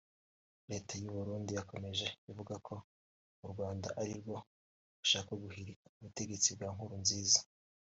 Leta y’u Burundi yakomeje kuvuga ko u Rwanda ari rwo rushaka guhirika ubutegetsi bwa Nkurunziza